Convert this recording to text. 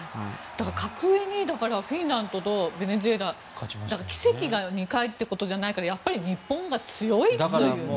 格上にフィンランドとベネズエラ奇跡が２回ということじゃないからやっぱり日本が強いというね。